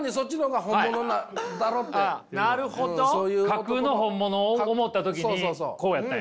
架空の本物を思った時にこうやったんや。